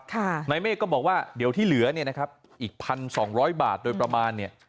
นายเมฆก็บอกว่าเดี๋ยวที่เหลือเนี่ยนะครับอีกพันสองร้อยบาทโดยประมาณเนี่ย